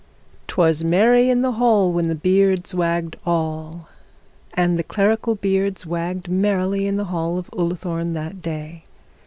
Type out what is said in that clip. ''Twas merry in the hall when the beards wagged all;' and the clerical beards wagged merrily in the hall of Ullathorne that day.